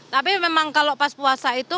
tapi memang kalau pas puasa itu